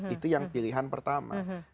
itu yang pilihan pertama